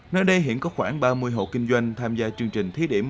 nơi đây hiện có khoảng ba mươi hộ kinh doanh tham gia chương trình thí điểm